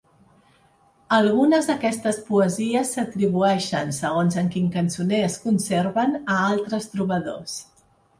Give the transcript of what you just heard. Algunes d'aquestes poesies s'atribueixen, segons en quin cançoner es conserven, a altres trobadors.